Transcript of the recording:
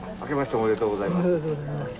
おめでとうございます。